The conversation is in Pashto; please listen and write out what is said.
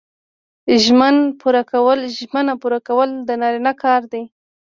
ژمنه پوره کول د نارینه کار دی